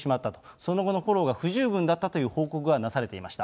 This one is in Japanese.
その後のフォローが不十分だったという報告がなされていました。